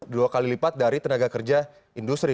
dua kali lipat dari tenaga kerja industri